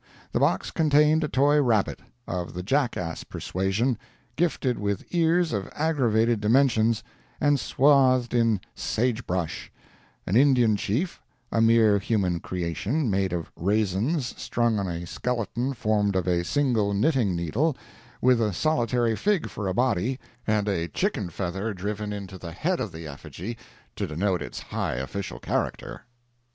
The box contained a toy rabbit, of the jackass persuasion, gifted with ears of aggravated dimensions, and swathed in sage brush; an Indian chief—a mere human creation—made of raisins, strung on a skeleton formed of a single knitting needle, with a solitary fig for a body, and a chicken feather driven into the head of the effigy, to denote its high official character.